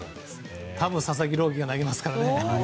多分、佐々木朗希が投げますからね。